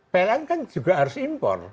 pln kan juga harus impor